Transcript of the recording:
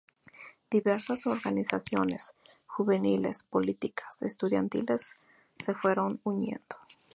Diversas organizaciones juveniles, políticas, estudiantiles se fueron uniendo.